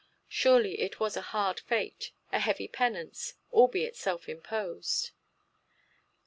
Surely it was a hard fate, a heavy penance, albeit self imposed.